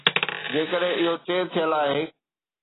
جيڪڏهن اهو طئي ٿيل آهي.